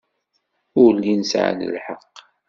Ur llin sɛan lḥeqq.